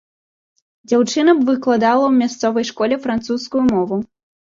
Дзяўчына б выкладала ў мясцовай школе французскую мову.